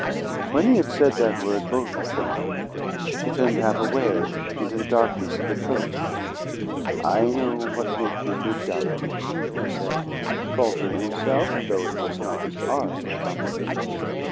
When he had said that word both trembled. She turned half away into the darkness of the coach. "I know what make' you to doubt me," he said, faltering himself, though it was not his art that prompted him.